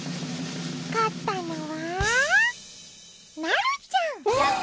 勝ったのはなるちゃん。